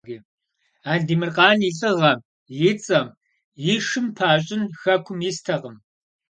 Андемыркъан и лӀыгъэм и цӀэм и шым пащӀын хэкум истэкъым.